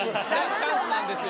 チャンスなんですよ。